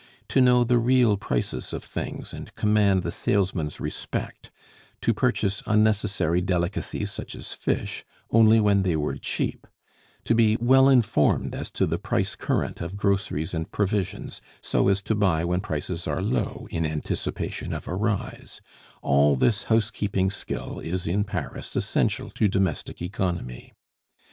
To know the real prices of things and command the salesman's respect; to purchase unnecessary delicacies, such as fish, only when they were cheap; to be well informed as to the price current of groceries and provisions, so as to buy when prices are low in anticipation of a rise, all this housekeeping skill is in Paris essential to domestic economy.